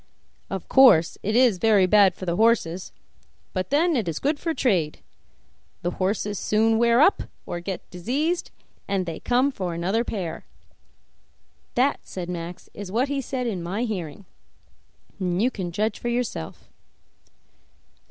Of course it is very bad for the horses, but then it is good for trade. The horses soon wear up, or get diseased, and they come for another pair.' That," said Max, "is what he said in my hearing, and you can judge for yourself."